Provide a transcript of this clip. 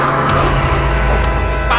ya pak maaf nih pak aku